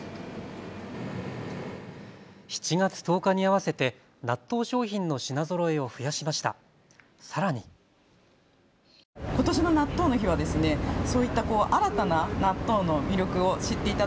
７月１０日に合わせて納豆商品の品ぞろえを増やしました。